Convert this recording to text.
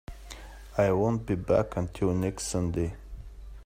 I won't be back until next Sunday.